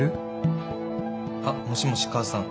あっもしもし母さん。